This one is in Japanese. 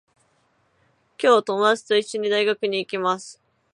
今日、ともだちといっしょに、大学に行きます。